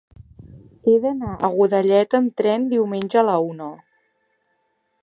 He d'anar a Godelleta amb tren diumenge a la una.